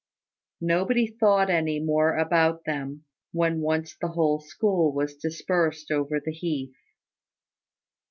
Nobody thought any more about them when once the whole school was dispersed over the heath.